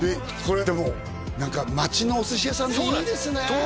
でも何か町のお寿司屋さんっていいですねそうなんです